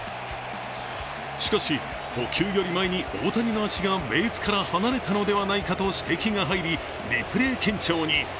しかし、捕球より前に大谷の足がベースから離れたのではないかと指摘が入り、リプレー検証に。